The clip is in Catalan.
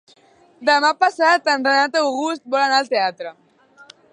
Demà passat en Renat August vol anar al teatre.